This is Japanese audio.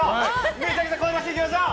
めちゃくちゃ声出していきましょう。